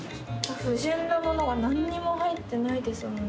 不純なものが何にも入ってないですもんね。